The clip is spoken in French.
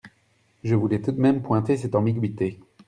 Je voulais tout de même pointer cette ambiguïté.